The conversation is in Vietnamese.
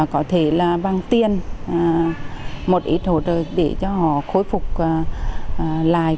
có thể là bằng tiền một ít hỗ trợ để cho họ khối phục lại